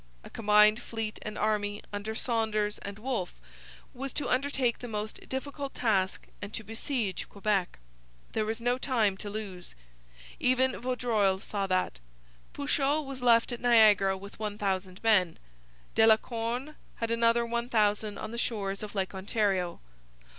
A combined fleet and army, under Saunders and Wolfe, was to undertake the most difficult task and to besiege Quebec. There was no time to lose. Even Vaudreuil saw that. Pouchot was left at Niagara with 1,000 men. De la Corne had another 1,000 on the shores of Lake Ontario.